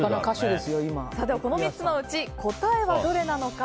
この３つのうち答えはどれなのか。